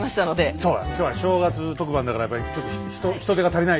そうだ今日は正月特番だからやっぱり人手が足りない。